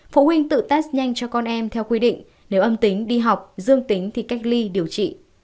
phụ huynh tự test nhanh cho con em theo quy định nếu âm tính đi học dương tính thì cách ly điều trị